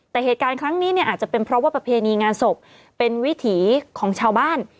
แต่เหตุการณ์ครั้งนี้เนี่ยอาจจะเป็นเพราะว่าประเพณีงานศพเป็นวิถีของชาวบ้าน